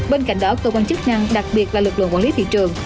bên cạnh đó cơ quan chức năng đặc biệt là lực lượng quản lý thị trường